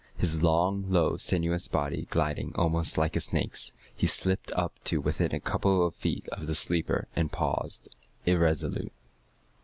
His long, low, sinuous body gliding almost like a snake's, he slipped up to within a couple of feet of the sleeper, and paused irresolute.